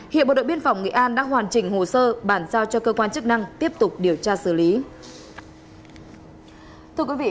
hiện bộ đội biên phòng nghệ an đã hoàn chỉnh hồ sơ bàn giao cho cơ quan chức năng tiếp tục điều tra xử lý